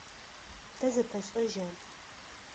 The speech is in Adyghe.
Тэ зэтэшӏэжьа?